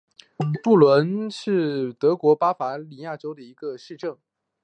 布伦是德国巴伐利亚州的一个市镇。